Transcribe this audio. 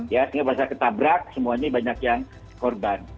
sehingga pas ketabrak semuanya banyak yang korban